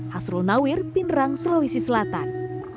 hasrul nawir pindrang sulawesi selatan